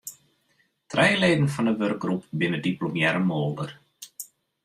Trije leden fan de wurkgroep binne diplomearre moolder.